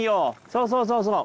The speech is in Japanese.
そうそうそうそう。